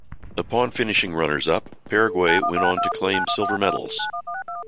Upon finishing runners-up, Paraguay went on to claim silver-medals.